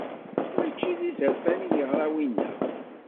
Mačči d izerfan i yeɣra winna.